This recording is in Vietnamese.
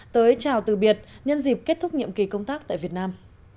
tới chào từ biệt nhân dịp kết thúc nhiệm kỳ công tác tại việt nam